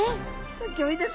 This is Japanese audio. すギョいですね。